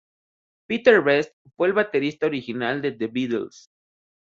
Pete Best fue el baterista original de The Beatles.